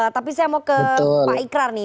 tapi saya mau ke pak ikrar nih